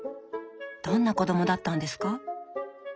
どんな子どもだったんですか？